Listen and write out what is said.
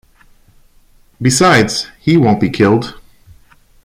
Besides he won't be killed.